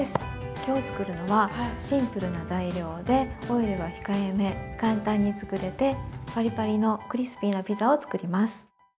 今日作るのはシンプルな材料でオイルは控えめ簡単に作れてパリパリのクリスピーなピザを作ります。